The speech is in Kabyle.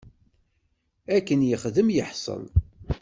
Akken yexdem yeḥṣel.